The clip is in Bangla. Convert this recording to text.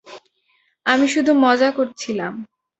আমি শুধু মজা করছিলাম।